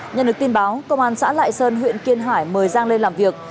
nhận được tin báo công an xã lại sơn huyện kiên hải mời giang lên làm việc